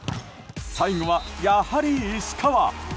最後は、やはり石川。